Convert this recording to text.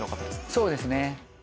そうですね。